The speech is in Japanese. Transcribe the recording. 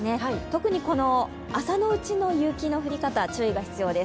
特にこの朝のうちの雪の降り方、注意が必要です。